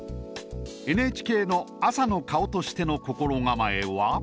ＮＨＫの朝の顔としての心構えは？